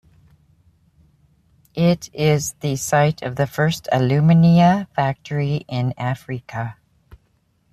It is the site of the first alumina factory in Africa.